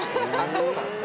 そうなんすか？